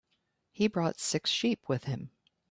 He brought six sheep with him.